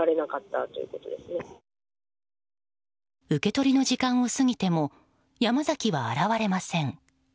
受け取りの時間を過ぎてもヤマザキは現れません。